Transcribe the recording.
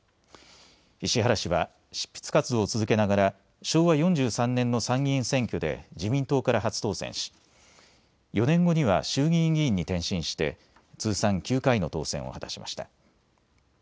石原氏は執筆活動を続けながら昭和４３年の参議院選挙で自民党から初当選し４年後には衆議院議員に転身して通算９回の当選を果たしました。